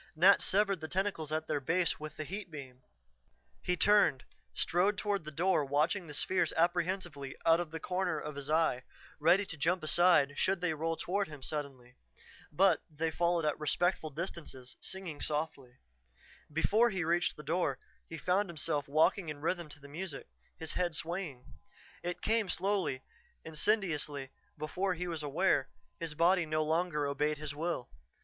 Nat severed the tentacles at their base with the heat beam. He turned, strode toward the door watching the spheres apprehensively out of the corner of his eye, ready to jump aside should they roll toward him suddenly. But they followed at respectful distances, singing softly. Before he reached the door, he found himself walking in rhythm to the music, his head swaying. It came slowly, insidiously; before he was aware, his body no longer obeyed his will.